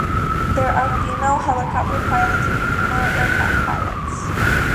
There are female helicopter pilots and female aircraft pilots.